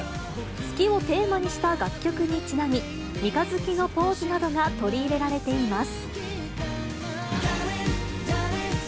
月をテーマにした楽曲にちなみ、三日月のポーズなどが取り入れられています。